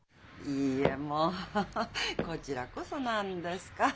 いいえもうこちらこそなんですかホホホ。